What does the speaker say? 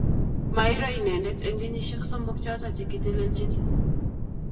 Mairo inendet emh kenyisiek somok choto chekitlelchin